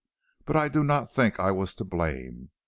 But I do not think I was to blame.